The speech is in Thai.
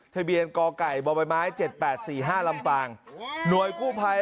ทะเบียนกอไก่บ่อยไม้เจ็ดแปดสี่ห้าลำปางหน่วยกู้ภัย